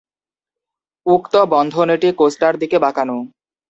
উক্ত বন্ধনীটি কোস্টার দিকে বাঁকানো।